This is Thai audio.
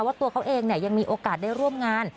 ว่าตัวเขาเองเนี่ยยังมีโอกาสได้ร่วมงาน